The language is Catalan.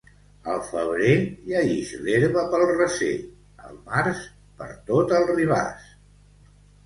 Al febrer ja ix l'herba pel recer; al març, per tot el ribàs.